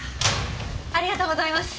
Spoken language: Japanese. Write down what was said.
ありがとうございます。